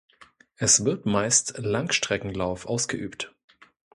Es wird meist Langstreckenlauf ausgeübt.